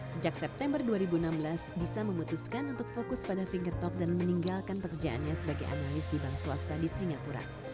sejak september dua ribu enam belas disa memutuskan untuk fokus pada finger talk dan meninggalkan pekerjaannya sebagai analis di bank swasta di singapura